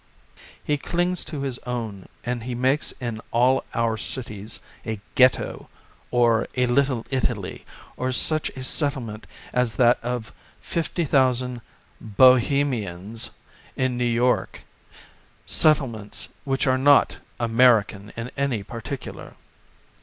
He clings to his own, and he makes in all our cities a Ghetto, or a Little Italy, or such a settlement as that of 50,000 Bohemians in New York, set tlements which are not American in any particular.